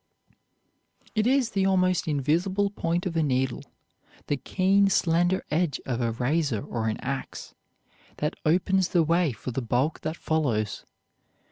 It is the almost invisible point of a needle, the keen, slender edge of a razor or an ax, that opens the way for the bulk that follows.